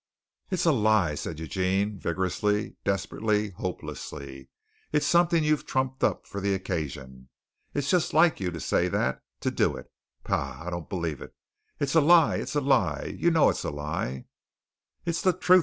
"It's a lie!" said Eugene vigorously, desperately, hopelessly. "It's something you've trumped up for the occasion. It's just like you to say that, to do it! Pah! I don't believe it. It's a lie! It's a lie! You know it's a lie!" "It's the truth!"